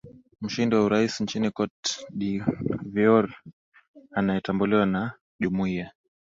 mshindi wa urais nchini cote de voire anayetambuliwa na jumuia